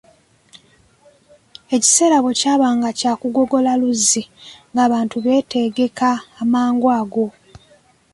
Ekiseera bwe kyabanga kya kugogola luzzi nga abantu beetegeka amangu ago.